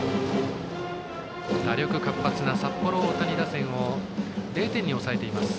打力活発な札幌大谷打線を０点に抑えています